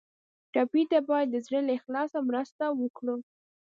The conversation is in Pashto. ټپي ته باید د زړه له اخلاص مرسته وکړو.